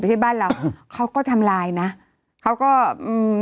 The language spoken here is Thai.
มันติดคุกออกไปออกมาได้สองเดือน